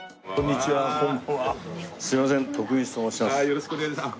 よろしくお願いします。